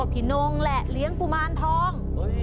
ปินงและเลี้ยงกุมานทอง